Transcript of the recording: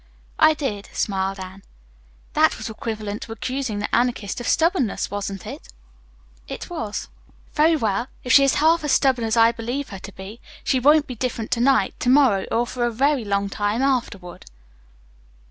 "I did," smiled Anne. "That was equivalent to accusing the Anarchist of stubbornness, wasn't it?" "It was." "Very well. If she is half as stubborn as I believe her to be, she won't be different to night, to morrow or for a long time afterward."